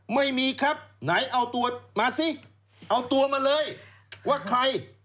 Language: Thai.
ไม่มีครับไหนเอาตัวมาสิเอาตัวมาเลยว่าใคร